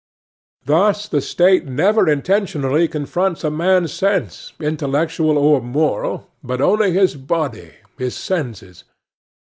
Thus the state never intentionally confronts a man's sense, intellectual or moral, but only his body, his senses.